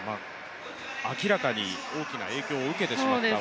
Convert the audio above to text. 明らかに大きな影響を受けてしまった。